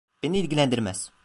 Beni ilgilendirmez.